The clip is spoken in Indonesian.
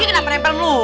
ini kenapa nempel lu